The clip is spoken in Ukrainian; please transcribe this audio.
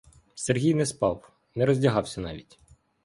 Сергій не спав, не роздягався навіть.